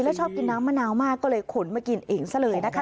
แล้วชอบกินน้ำมะนาวมากก็เลยขนมากินเองซะเลยนะคะ